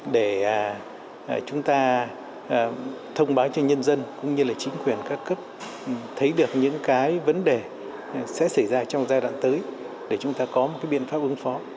để chúng ta thông báo cho nhân dân cũng như là chính quyền các cấp thấy được những cái vấn đề sẽ xảy ra trong giai đoạn tới để chúng ta có một cái biện pháp ứng phó